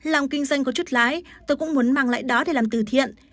lòng kinh doanh có chút lái tôi cũng muốn mang lại đó để làm từ thiện